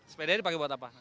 sepeda dipakai buat apa